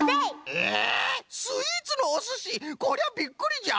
えスイーツのおすし！こりゃびっくりじゃ！